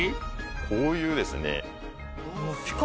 こういうですね。